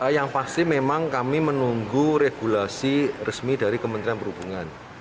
yang pasti memang kami menunggu regulasi resmi dari kementerian perhubungan